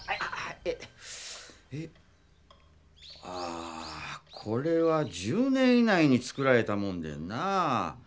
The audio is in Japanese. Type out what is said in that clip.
ああこれは１０年以内に作られたもんでんなぁ。